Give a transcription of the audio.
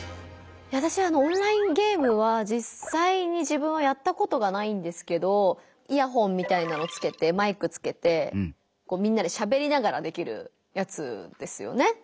わたしはオンラインゲームはじっさいに自分はやったことがないんですけどイヤホンみたいなのつけてマイクつけてみんなでしゃべりながらできるやつですよね。